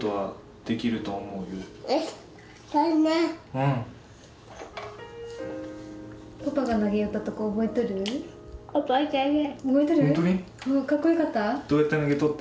うんかっこよかった？